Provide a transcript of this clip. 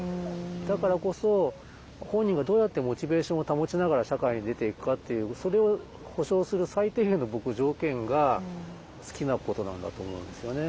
だからこそ本人がどうやってモチベーションを保ちながら社会に出ていくかっていうそれを保障する最低限の僕条件が好きなことなんだと思うんですよね。